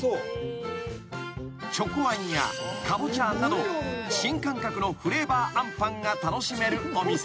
［ちょこあんやかぼちゃあんなど新感覚のフレーバーあんぱんが楽しめるお店］